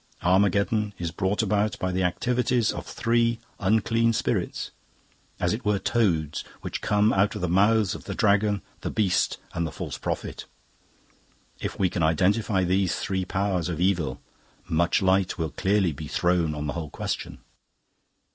"Armageddon is brought about by the activities of three unclean spirits, as it were toads, which come out of the mouths of the Dragon, the Beast, and the False Prophet. If we can identify these three powers of evil much light will clearly be thrown on the whole question.